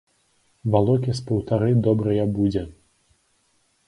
Валокі з паўтары добрыя будзе.